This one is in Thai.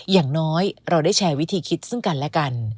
อย่างน้อยเราได้แชร์วิธีคิดซึ่งกันและกัน